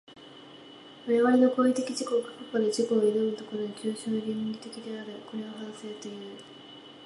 我々の行為的自己が過去から自己に臨む所に、抽象論理的である。これを反省という。